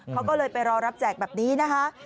เขาก็เลยไปรอรับแจกแบบนี้นะคะ